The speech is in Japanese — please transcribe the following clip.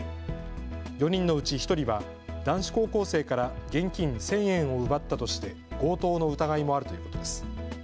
４人のうち１人は男子高校生から現金１０００円を奪ったとして強盗の疑いもあるということです。